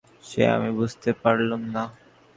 চোখে সে ক্ষুধার আগুন কি পূজার সে আমি বুঝতে পারলুম না।